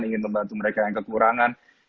ingin membantu mereka yang kekurangan